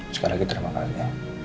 sekali lagi terima kasih ya